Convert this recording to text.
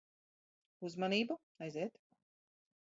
Uzmanību. Aiziet.